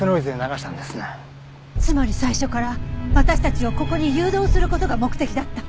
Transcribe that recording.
つまり最初から私たちをここに誘導する事が目的だった。